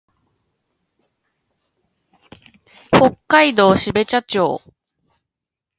北海道標茶町